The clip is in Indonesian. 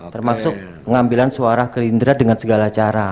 termasuk pengambilan suara gerindra dengan segala cara